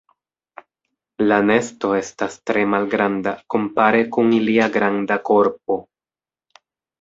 La nesto estas tre malgranda, kompare kun ilia granda korpo.